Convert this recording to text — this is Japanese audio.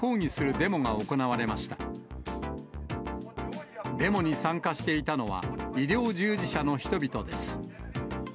デモに参加していたのは、医療従事者の人々です。